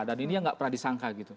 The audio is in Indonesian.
dan ini yang tidak pernah disangka gitu